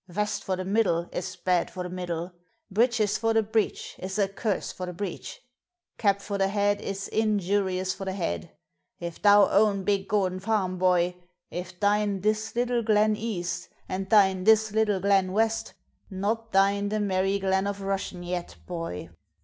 Vest for the middle is bad for the middle! Breeches for the breech is a curse for the breech! Cap for the head is injurious for the head! If thou own big Gordon farm, boy If thine this little glen east, and thine this little glen west, Not thine the merry Glen of Rushen yet, boy!